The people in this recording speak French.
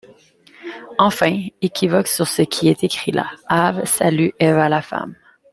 Enfin, équivocque sur ce qui est escript là ; Ave, salue ; Eva, la femme.